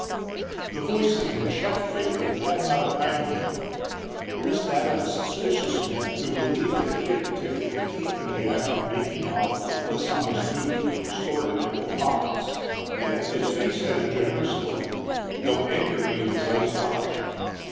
The voice that had checked Baker had not a kindly tone; it was that of a suspicious man, who believed that he had detected a thief in the act of making off with dishonest booty stored in ample pockets. Yet his face had a generous look, though anger made his eyes harsh.